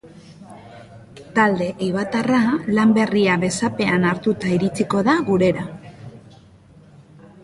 Talde eibartarra lan berria besapean hartuta iritsiko da gurera.